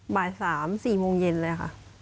บาร์สาม๔โมงเย็นแหละค่ะ